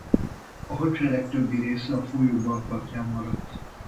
A hadsereg többi része a folyó bal partján maradt.